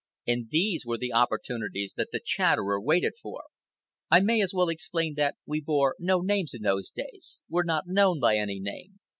And these were the opportunities that the Chatterer waited for. (I may as well explain that we bore no names in those days; were not known by any name.